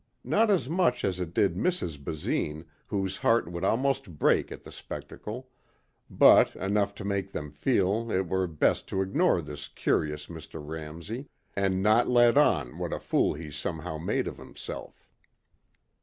Not as much as it did Mrs. Basine whose heart would almost break at the spectacle, but enough to make them feel it were best to ignore this curious Mr. Ramsey and not let on what a fool he somehow made of himself.